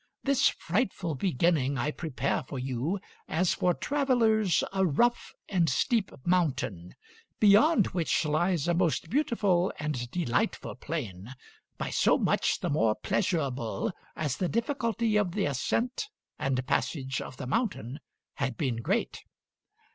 This frightful beginning I prepare for you as for travelers a rough and steep mountain, beyond which lies a most beautiful and delightful plain, by so much the more pleasurable as the difficulty of the ascent and passage of the mountain had been great.